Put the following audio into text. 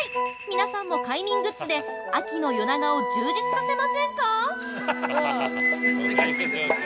皆さんも快眠グッズで秋の夜長を充実させませんか？